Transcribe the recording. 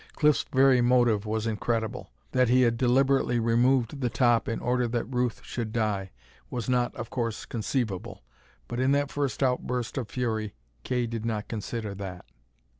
Cliff's very motive was incredible. That he had deliberately removed the top in order that Ruth should die was not, of course, conceivable. But in that first outburst of fury Kay did not consider that.